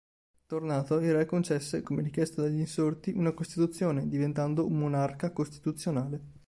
Tornato, il re concesse, come richiesto dagli insorti, una costituzione, diventando un monarca costituzionale.